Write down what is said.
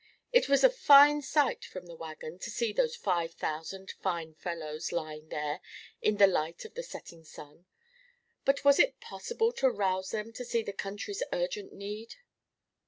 It was a fine sight from the waggon to see those five thousand fine fellows lying there in the light of the setting sun, but was it possible to rouse them to see the country's urgent need?